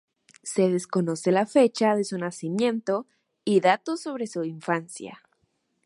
Se desconoce la fecha de su nacimiento y datos sobre su infancia.